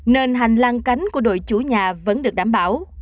nên hành lang cánh của đội chủ nhà vẫn được đảm bảo